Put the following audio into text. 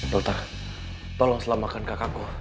dokter tolong selamatkan kakakku